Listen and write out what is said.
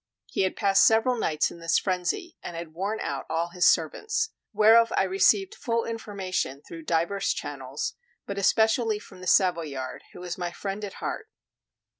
He had passed several nights in this frenzy, and had worn out all his servants; whereof I received full information through divers channels, but especially from the Savoyard, who was my friend at heart.